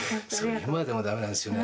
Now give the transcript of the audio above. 今でもだめなんですよね。